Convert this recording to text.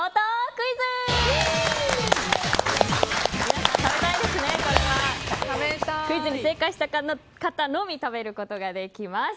クイズに正解した方のみ食べることができます。